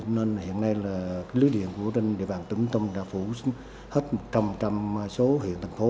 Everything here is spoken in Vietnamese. nên hiện nay là lưới điện của đền địa bàn tỉnh con tum đã phủ hết một trăm linh số huyện thành phố